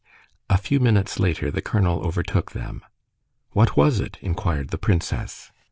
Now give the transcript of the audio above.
A few minutes later the colonel overtook them. "What was it?" inquired the princess.